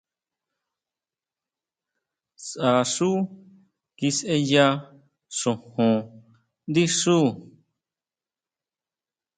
Sʼá xu kisʼeya xojón ndí xuú.